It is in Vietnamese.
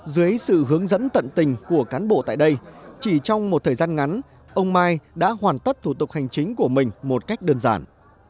dưới sự hướng dẫn tận tình của cán bộ tại đây chỉ trong một thời gian ngắn ông mai đã hoàn tất thủ tục hành chính của mình một cách đơn giản